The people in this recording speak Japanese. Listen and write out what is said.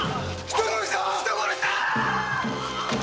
人殺しだ！